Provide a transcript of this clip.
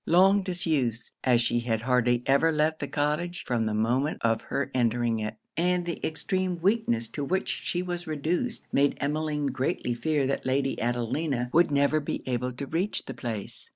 Long disuse, as she had hardly ever left the cottage from the moment of her entering it, and the extreme weakness to which she was reduced, made Emmeline greatly fear that Lady Adelina would never be able to reach the place.